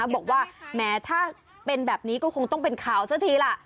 บอกว่าแม้ถ้าเป็นแบบนี้ก็คงต้องเป็นข่าวซะทีล่ะ